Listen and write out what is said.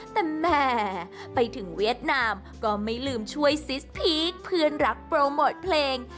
แต่แหมไปถึงเวียดนามก็ไม่ลืมช่วยซิสพีคเพื่อนรักโปรโมทเพลง